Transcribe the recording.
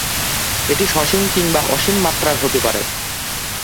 এটি সসীম কিংবা অসীম মাত্রার হতে পারে।